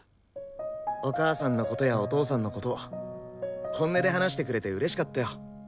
お母さんのことやお父さんのこと本音で話してくれてうれしかったよ。